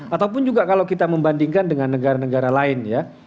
ataupun juga kalau kita membandingkan dengan negara negara lain ya